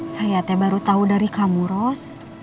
saya baru tahu dari kamu ros